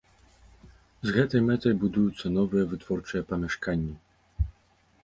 З гэтай мэтай будуюцца новыя вытворчыя памяшканні.